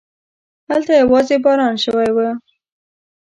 هلته يواځې باران شوی و.